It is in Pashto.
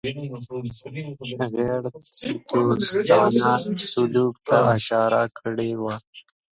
غیردوستانه سلوک ته اشاره کړې وه.